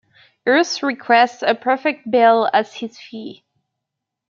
Urth requests a perfect bell as his fee.